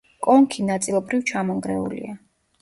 კონქი ნაწილობრივ ჩამონგრეულია.